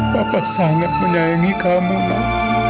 bapak sangat menyayangi kamu nak